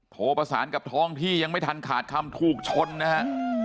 โทรประสานกับท้องที่ยังไม่ทันขาดคำถูกชนนะฮะ